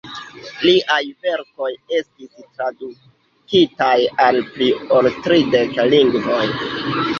Liaj verkoj estis tradukitaj al pli ol tridek lingvoj.